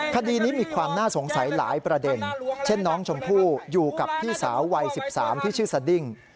คดีนี้มีความน่าสงสัยหลายประเด็นเช่นน้องชมพู่อยู่กับพี่สาววัย๑๓ที่ชื่อสดิ้ง